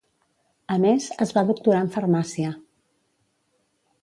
A més, es va doctorar en Farmàcia.